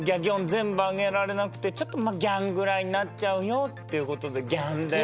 全部あげられなくてちょっとまあ「ギャン」ぐらいになっちゃうよっていう事で「ギャン」です。